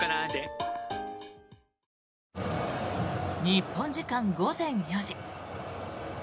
日本時間午前４時。